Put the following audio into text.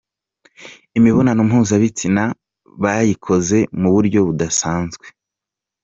Imibonano mpuzabitsina bayikoze mu buryo budasanzwe.